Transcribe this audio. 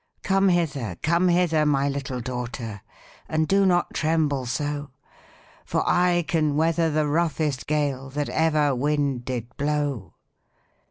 'Come hither! come hither! my little daughtèr. And do not tremble so; For I can weather the roughest gale That ever wind did blow.'